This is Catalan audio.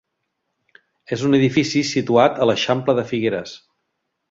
És un edifici situat a l'eixample de Figueres.